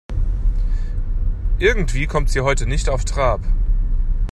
Irgendwie kommt sie heute nicht auf Trab.